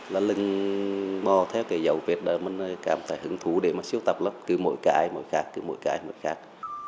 là lưng mò theo cái dấu vệt đó mình cảm thấy hứng thú để mà sưu tập lấp cứ mỗi cái mỗi khác cứ mỗi cái mỗi khác